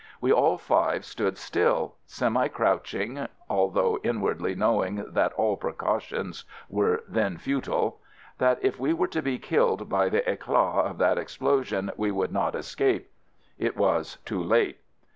We all five stood still — semi crouching, although inwardly know ing that all precautions were then futile, — that if we were to be killed by the eclats of that explosion we could not es cape: it was too late.